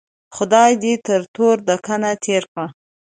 خدای دې تر تور دکن تېر کړه.